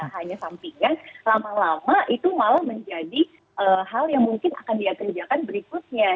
hanya sampingan lama lama itu malah menjadi hal yang mungkin akan diateriakan berikutnya gitu loh